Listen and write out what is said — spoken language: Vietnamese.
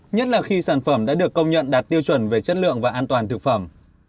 nhất là khi sản phẩm đã được công nhận đạt tiêu chuẩn về chất lượng và an toàn thực phẩm